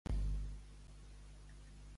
Caure la tarda.